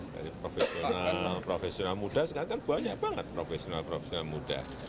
dari profesional profesional muda sekarang kan banyak banget profesional profesional muda